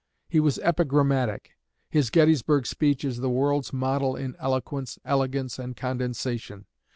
He was epigrammatic. His Gettysburg speech is the world's model in eloquence, elegance, and condensation.